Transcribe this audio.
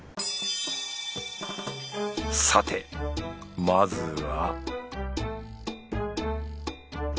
さてまずは